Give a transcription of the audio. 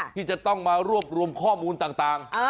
ที่จะต้องมารวบรวมข้อมูลต่าง